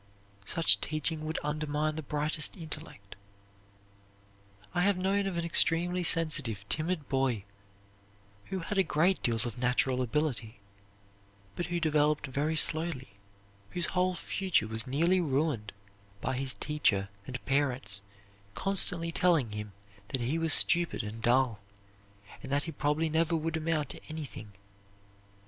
Such teaching would undermine the brightest intellect. I have known of an extremely sensitive, timid boy who had a great deal of natural ability, but who developed very slowly, whose whole future was nearly ruined by his teacher and parents constantly telling him that he was stupid and dull, and that he probably never would amount to anything.